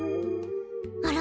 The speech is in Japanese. あら？